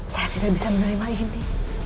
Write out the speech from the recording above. saya tidak bisa menerima ini